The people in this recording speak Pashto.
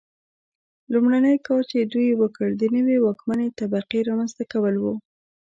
لومړنی کار چې دوی وکړ د نوې واکمنې طبقې رامنځته کول و.